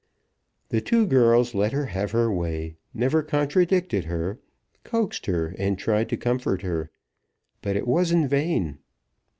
The two girls let her have her way, never contradicted her, coaxed her, and tried to comfort her; but it was in vain.